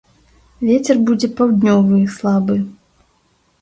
Вецер будзе паўднёвы, слабы.